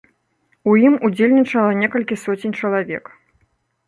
У ім удзельнічала некалькі соцень чалавек.